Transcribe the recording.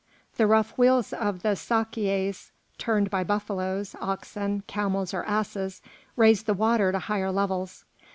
The rough wheels of the sakiehs, turned by buffaloes, oxen, camels, or asses, raised the water to higher levels.